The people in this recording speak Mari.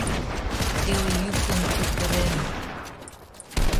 Пелйӱкын кутырем.